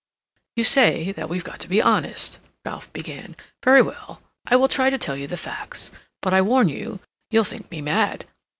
"You say that we've got to be honest," Ralph began. "Very well. I will try to tell you the facts; but I warn you, you'll think me mad.